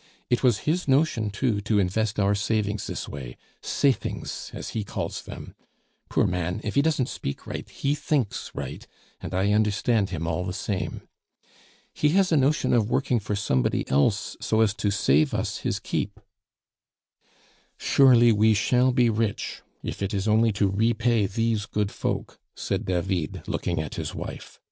It was his notion, too, to invest our savings this way 'safings,' as he calls them. Poor man, if he doesn't speak right, he thinks right, and I understand him all the same. He has a notion of working for somebody else, so as to save us his keep " "Surely we shall be rich, if it is only to repay these good folk," said David, looking at his wife.